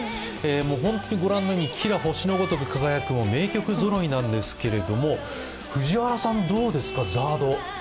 本当に御覧のようにきら星のごとく輝く名曲揃いなんですが藤原さん、どうですかＺＡＲＤ。